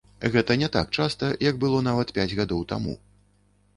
Гэта не так часта, як было нават пяць год таму.